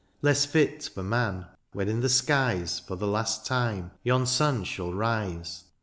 Less fit for man when in the skies. For the last time yon sun shall rise.